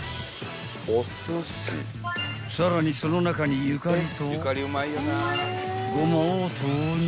［さらにその中にゆかりとごまを投入］